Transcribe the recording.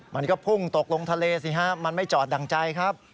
มันก็พุ่งตกลงทะเลสิฮะมันไม่จอดดั่งใจครับ